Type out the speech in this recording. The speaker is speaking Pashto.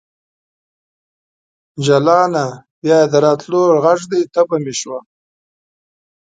جلانه ! بیا یې د راتللو غږ دی تبه مې شوه